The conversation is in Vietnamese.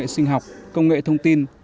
công nghệ sinh học công nghệ thông tin